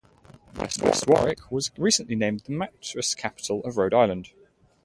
West Warwick was recently named the Mattress Capital of Rhode Island.